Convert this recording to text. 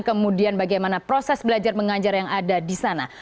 kemudian bagaimana proses belajar mengajar yang ada di sana